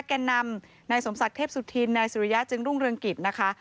แก่นำนายสมศักดิ์เทพสุธินนายสุริยะจึงรุ่งเรืองกิจนะคะ